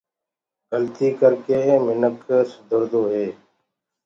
گلتي ڪر ڪي انسآن سُڌردو هي۔